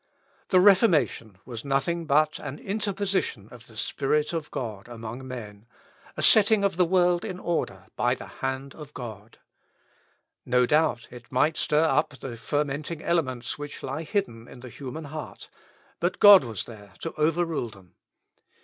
The Reformation was nothing but an interposition of the Spirit of God among men, a setting of the world in order by the hand of God. No doubt, it might stir up the fermenting elements which lie hidden in the human heart; but God was there to overrule them.